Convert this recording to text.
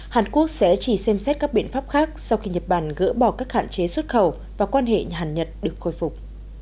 hàn quốc sẽ chỉ xem xét các biện pháp khác sau khi nhật bản gỡ bỏ các hạn chế xuất khẩu và quan hệ hàn nhật được khôi phục